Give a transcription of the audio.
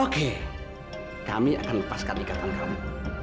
oke kami akan lepaskan ikatan kamu